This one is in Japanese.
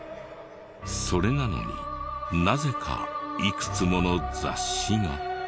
それなのになぜかいくつもの雑誌が。